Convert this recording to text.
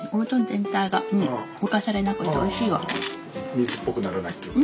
水っぽくならないというか。